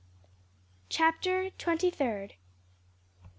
CHAPTER TWENTY THIRD.